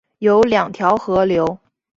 有二条河流